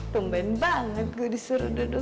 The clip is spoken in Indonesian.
pemben banget gue disuruh duduk